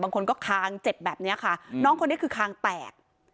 บางคนก็คางเจ็บแบบนี้ค่ะน้องคนนี้คือคางแตก